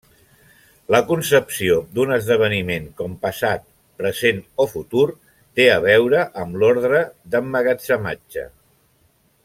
La concepció d'un esdeveniment com passat, present o futur té a veure amb l'ordre d'emmagatzematge.